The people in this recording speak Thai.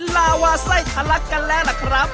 ลาวาไซ่กระลักษณ์กันแล้วล่ะครับ